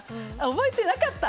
覚えてなかった？